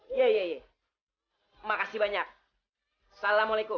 iya iya makasih banyak assalamualaikum